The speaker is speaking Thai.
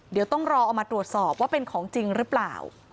เดี๋ยวต้องรอเอามาตรวจสอบว่าเป็นของจริงหรือเปล่า